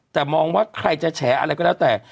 แต่มองว่าใครจะแฉอะไรก็แล้วแต่